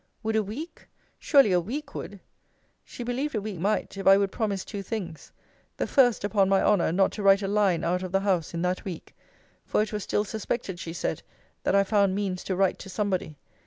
Would a week? Surely a week would? She believed a week might, if I would promise two things: the first, upon my honour, not to write a line out of the house, in that week: for it was still suspected, she said, that I found means to write to somebody.